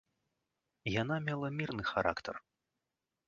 Яна мела мірны характар.